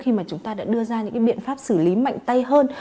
khi mà chúng ta đã đưa ra những cái biện pháp xử lý mạnh tay hơn